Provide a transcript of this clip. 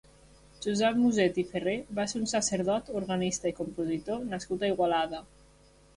Josep Muset i Ferrer va ser un sacerdot, organista i compositor nascut a Igualada.